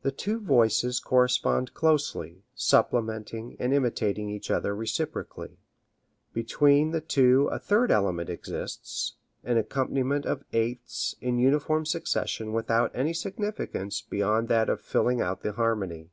The two voices correspond closely, supplementing and imitating each other reciprocally. Between the two a third element exists: an accompaniment of eighths in uniform succession without any significance beyond that of filling out the harmony.